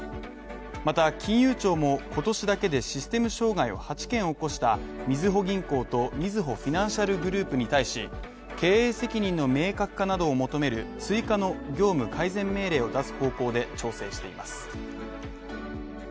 また金融庁も今年だけでシステム障害を８件起こしたみずほ銀行とみずほフィナンシャルグループに対し、経営責任の明確化などを求める追加の業務改善命令を出す方向で調整しています。